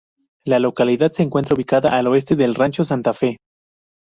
La localidad se encuentra ubicada al oeste de Rancho Santa Fe.